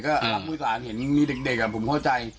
ก็รับผู้โดยสารเห็นมีเด็กผมเข้าใจ